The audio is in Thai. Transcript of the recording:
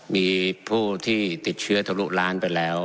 มีผู้ที่ติดเชื้อทะลุล้านไปแล้ว